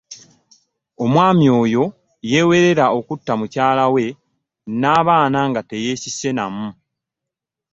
Omwami oyo yeewerera okutta mukyalawe n'abaana nga teyesise namu.